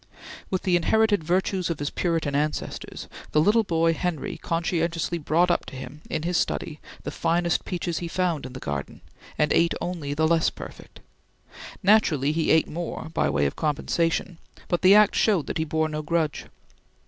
With the inherited virtues of his Puritan ancestors, the little boy Henry conscientiously brought up to him in his study the finest peaches he found in the garden, and ate only the less perfect. Naturally he ate more by way of compensation, but the act showed that he bore no grudge.